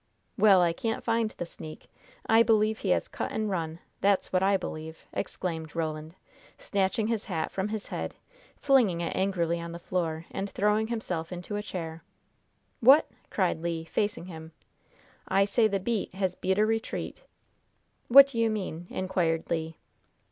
"Well, I can't find the sneak! I believe he has cut and run, that's what I believe!" exclaimed Roland, snatching his hat from his head, flinging it angrily on the floor, and throwing himself into a chair. "What!" cried Le, facing him. "I say the beat has beat a retreat!" "What do you mean?" inquired Le.